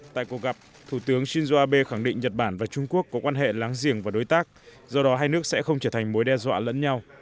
tại cuộc gặp thủ tướng shinzo abe khẳng định nhật bản và trung quốc có quan hệ láng giềng và đối tác do đó hai nước sẽ không trở thành mối đe dọa lẫn nhau